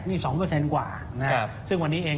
นี่๒กว่านะครับซึ่งวันนี้เอง